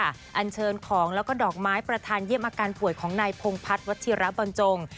อันเชิญของแล้วก็ดอกไม้ประธานเยี่ยมอาการป่วยของนายพงพัฒน์วัชิระบรรจง